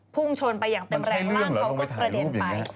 พุ่งชนไปอย่างเต็มแรงร่างเขาก็กระเด็นไป